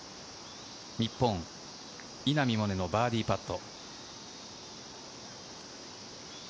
日本・稲見萌寧のバーディーパット。